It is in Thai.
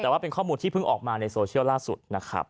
แต่ว่าเป็นข้อมูลที่เพิ่งออกมาในโซเชียลล่าสุดนะครับ